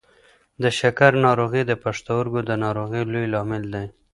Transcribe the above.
د شکر ناروغي د پښتورګو د ناروغۍ لوی لامل دی.